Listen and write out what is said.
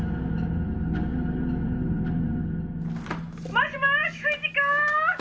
もしもし藤子？